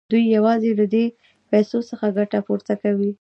دوی یوازې له دې پیسو څخه ګټه پورته کوي